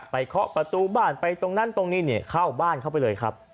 เคาะประตูบ้านไปตรงนั้นตรงนี้เข้าบ้านเข้าไปเลยครับ